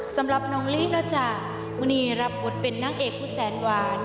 สำหรับน้องลีฟนะจ๊ะมุนีรับบทเป็นนางเอกผู้แสนหวาน